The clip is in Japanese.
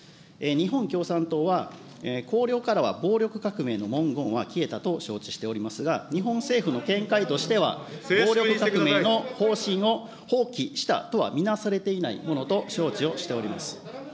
日本共産党は、綱領からは暴力革命の文言は消えたと承知しておりますが、日本政府の見解としては、暴力革命のを放棄したとは見なされていないものと承知をしております。